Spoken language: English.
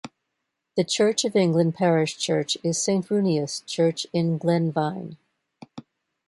The Church of England parish church is Saint Runius church in Glen Vine.